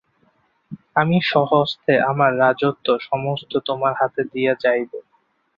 আমি স্বহস্তে আমার রাজত্ব সমস্ত তোমার হাতে দিয়া যাইব।